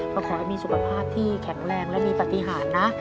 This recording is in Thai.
ก็ขอให้มีสุขภาพที่แข็งแรงและมีปฏิหารนะ